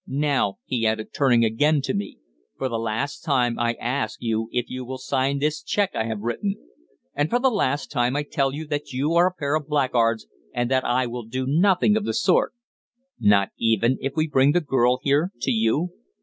"Now," he added, turning again to me; "for the last time I ask you if you will sign this cheque I have written." "And for the last time I tell you that you are a pair of blackguards, and that I will do nothing of the sort." "Not even if we bring the girl here to you?"